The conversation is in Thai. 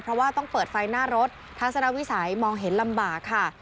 เพราะว่าต้องเปิดไฟหน้ารถทัศนวิสัยมองเห็นลำบากค่ะ